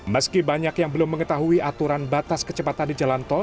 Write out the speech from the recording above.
meski banyak yang belum mengetahui aturan batas kecepatan di jalan tol